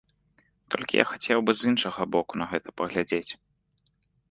Толькі я хацеў бы з іншага боку на гэта паглядзець.